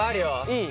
いい？